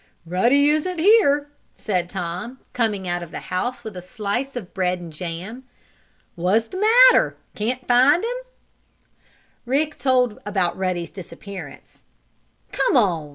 "Ruddy isn't here," said Tom, coming out of the house with a slice of bread and jam. "What's the matter, can't you find him?" Rick told about Ruddy's disappearance. "Come on!